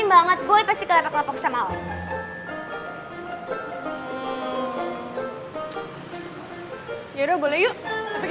ntar gue pasang taksi online dulu yuk